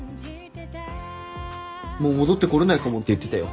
もう戻ってこれないかもって言ってたよ。